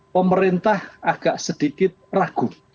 pemerintah agak sedikit ragu